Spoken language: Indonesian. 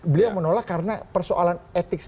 beliau menolak karena persoalan etik